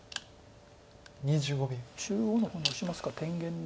中央の方にオシますか天元の。